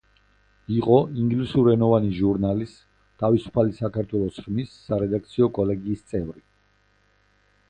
იყო ინგლისურენოვანი ჟურნალის, „თავისუფალი საქართველოს ხმის“ სარედაქციო კოლეგიის წევრი.